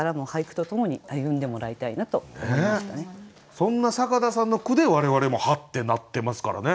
そんな坂田さんの句で我々もハッてなってますからね。